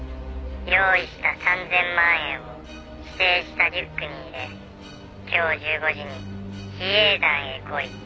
「用意した３０００万円を指定したリュックに入れ今日１５時に比叡山へ来い」